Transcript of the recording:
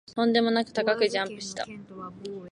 とんでもなく高くジャンプした